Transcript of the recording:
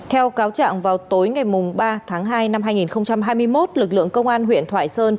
theo cáo trạng vào tối ngày ba tháng hai năm hai nghìn hai mươi một lực lượng công an huyện thoại sơn